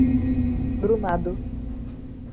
Brumado